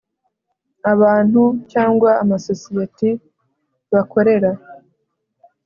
abantu cyangwa amasosiyeti bakorera